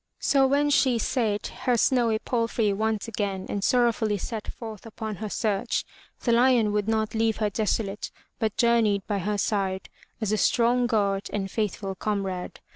So when she sate her snowy palfrey once again and sorrowfully set forth upon her search, the lion would not leave her desolate, but journeyed by her side, as a strong guard and faithful comrade.